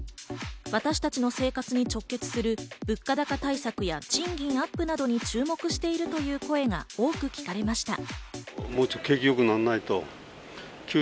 私たちの生活に直結する物価高対策や、賃金アップなどに注目しているという声が多く聞かれました。